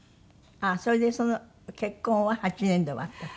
それでその結婚は８年で終わったって。